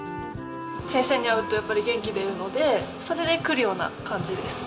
先生に会うとやっぱり元気出るのでそれで来るような感じです。